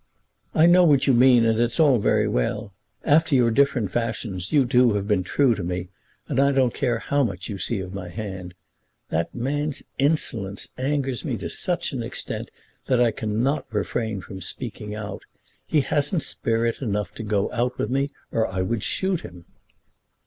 "I know what you mean, and it's all very well. After your different fashions you two have been true to me, and I don't care how much you see of my hand. That man's insolence angers me to such an extent that I cannot refrain from speaking out. He hasn't spirit enough to go out with me, or I would shoot him."